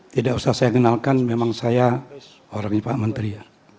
tidak usah saya kenalkan memang saya orangnya pak menteri ya